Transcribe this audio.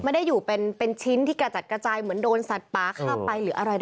ไม่ได้อยู่เป็นชิ้นที่กระจัดกระจายเหมือนโดนสัตว์ป่าข้ามไปหรืออะไรใด